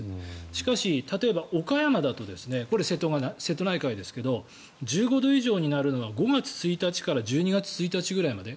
しかし例えば、岡山だとこれ、瀬戸内海ですけど１５度以上になるのが５月１日から１２月１日ぐらいまで。